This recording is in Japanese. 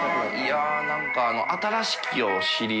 いや何か））